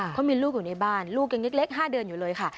เขามีลูกอยู่ในบ้านลูกยังเล็ก๕เดือนอยู่เลยค่ะ